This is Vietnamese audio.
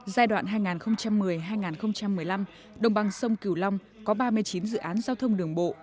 giai đoạn hai nghìn một mươi hai nghìn một mươi năm đồng bằng sông cửu long có ba mươi chín dự án giao thông đường bộ